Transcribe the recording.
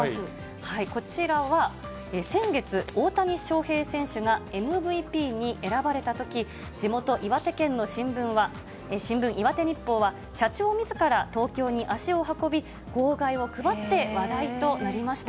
こちらは、先月、大谷翔平選手がＭＶＰに選ばれたとき、地元、岩手県の新聞、岩手日報は、社長みずから東京に足を運び、号外を配って話題となりました。